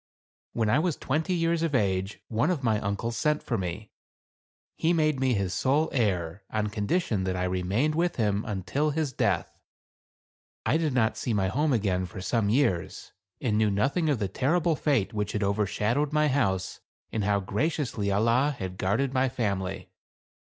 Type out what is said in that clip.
When I was twenty years of age one of my uncles sent for me. He made me his sole heir, on condition that I remained with him until his death. I did not see my home again for some years, and knew nothing of the terrible fate which had overshadowed my house, and how graciously Allah had guarded my family.